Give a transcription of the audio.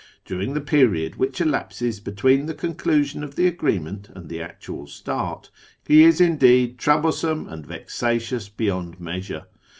During the period which elapses between the conclusion of the agreement and the actual start, he is, indeed, troublesome and vexatious beyond measure.